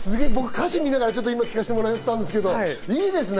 歌詞見ながら聞かせてもらったんですけれど、いいですね。